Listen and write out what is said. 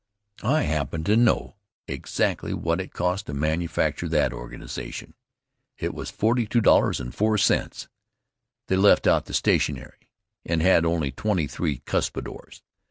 I happen to know exactly what it cost to manufacture that organization. It was $42.04. They left out the stationery, and had only twenty three cuspidors.